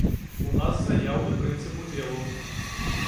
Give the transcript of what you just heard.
У нас заяўны прынцып удзелу.